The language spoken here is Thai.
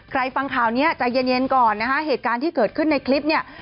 ฟังข่าวนี้ใจเย็นก่อนนะคะเหตุการณ์ที่เกิดขึ้นในคลิปเนี่ย